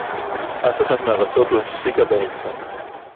אַף אַחַת מֵהָרָצוֹת לֹא הִפְסִיקָה בָּאֶמְצַע.